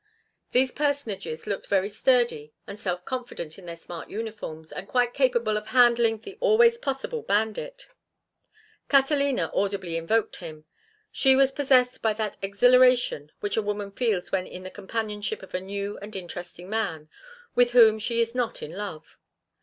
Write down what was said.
These personages looked very sturdy and self confident in their smart uniforms, and quite capable of handling the always possible bandit. Catalina audibly invoked him. She was possessed by that exhilaration which a woman feels when in the companionship of a new and interesting man with whom she is not in love.